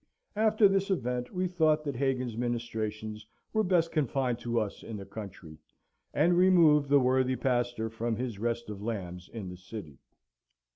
After this event we thought that Hagan's ministrations were best confined to us in the country, and removed the worthy pastor from his restive lambs in the city.